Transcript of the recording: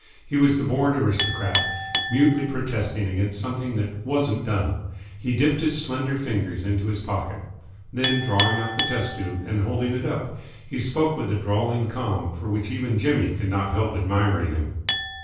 He was the bored aristocrat, mutely protesting against something that "wasn't done." He dipped his slender fingers into his pocket. Then, drawing out the test tube, and holding it up, he spoke with a drawling calm for which even Jimmy could not help admiring him.